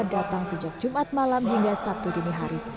datang sejak jumat malam hingga sabtu dini hari